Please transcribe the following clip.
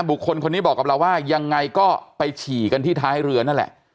บุคคลคนนี้บอกกับเราว่ายังไงก็ไปฉี่กันที่ท้ายเรือนั่นแหละ